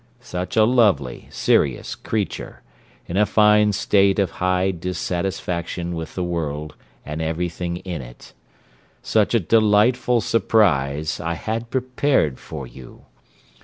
Such a lovely, serious creature, in a fine state of high dissatisfaction with the world, and every thing in it. Such a delightful surprise I had prepared for you.